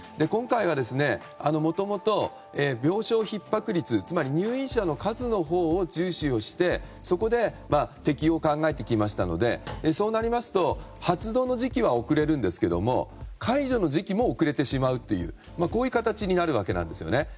今回はもともと病床ひっ迫率、つまり入院者の数のほうを重視してそこで適用を考えてきましたのでそうなりますと発動の時期は遅れるんですけど解除の時期も遅れてしまうという形になるわけですね。